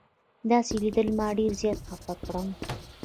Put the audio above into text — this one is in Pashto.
داسې لیدل ما ډېر زیات خفه کړم.